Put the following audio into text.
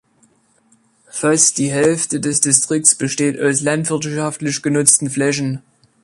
Fast die Hälfte des Distrikts besteht aus landwirtschaftlich genutzten Flächen.